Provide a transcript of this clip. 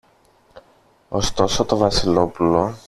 Ωστόσο το Βασιλόπουλο